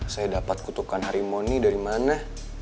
saya dapat kutukan harimau ini dari mana